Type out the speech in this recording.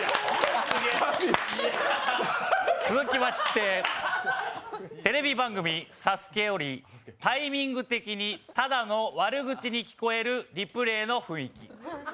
続きまして、テレビ番組「ＳＡＳＵＫＥ」よりタイミング的にただの悪口に聞こえるリプレーの雰囲気。